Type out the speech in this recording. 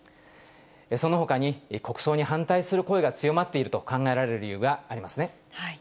そのほかに、国葬に反対する声が強まっていると考えられる理由がありますね。